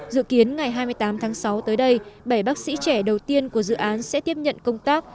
dự kiến ngày hai mươi tám tháng sáu tới đây bảy bác sĩ trẻ đầu tiên của dự án sẽ tiếp nhận công tác